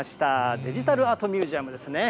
デジタルアートミュージアムですね。